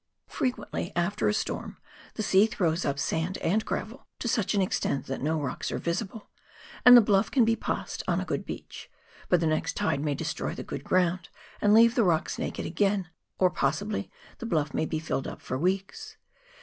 Frequently, after a storm, the sea throws up sand and gravel to such an extent that no rocks are visible, and the bluff can be passed on a good beach, but the next tide may destroy the good ground and leave the rocks naked again, or possibly the bluff may be " filled up " for weeks.